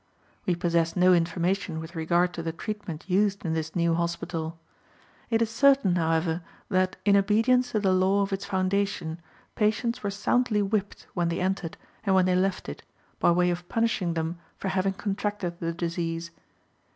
We possess no information with regard to the treatment used in this new hospital. It is certain, however, that, in obedience to the law of its foundation, patients were soundly whipped when they entered and when they left it, by way of punishing them for having contracted the disease.